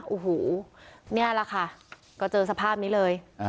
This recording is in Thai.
โอ้โหนี่แหละค่ะก็เจอสภาพนี้เลย